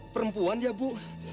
perempuan ya bu